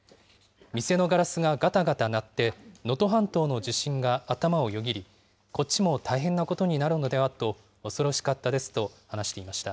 店のガラスががたがた鳴って能登半島の地震が頭をよぎり、こっちも大変なことになるのではと恐ろしかったですと話していました。